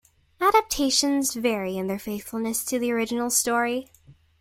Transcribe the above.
Adaptations vary in their faithfulness to the original story.